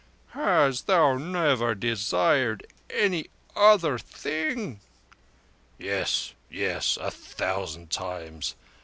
"Hast thou never desired any other thing?" "Yes—yes—a thousand times!